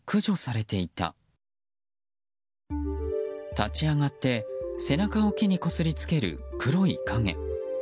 立ち上がって背中を木にこすりつける黒い影。